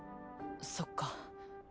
そっか。